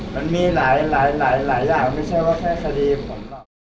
มันมีหลายอย่างไม่ใช่ว่าแค่คดีผม